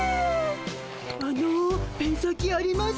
あのペン先あります？